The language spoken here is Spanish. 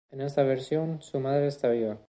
En esta versión, su madre está viva.